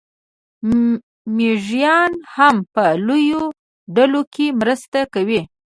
مېږیان هم په لویو ډلو کې مرسته کوي.